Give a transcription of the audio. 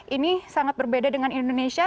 ini sangat berbeda dengan indonesia